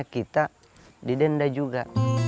kita didenda juga